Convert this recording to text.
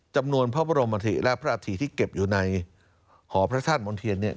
จำนวนพระบรมธิและพระอาถิที่เก็บอยู่ในหอพระธาตุมนเทียนเนี่ย